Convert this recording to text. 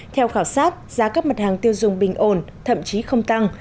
theo khảo sát giá các mặt hàng tiêu dùng bình ổn thậm chí không tăng